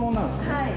はい。